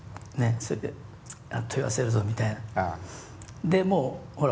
それであっと言わせるぞみたいな。